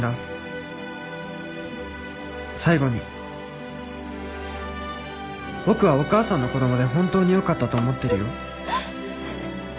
「最後に僕はお母さんの子供で本当に良かったと思ってるよ」